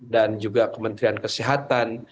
dan juga kementerian kesehatan